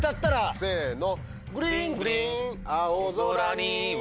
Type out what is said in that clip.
せの。